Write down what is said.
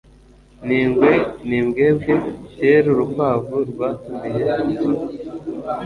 nIngwe n Imbwebwe:Kera urukwavu rwatumiye inzovu